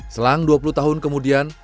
selang dua puluh tahun kemudian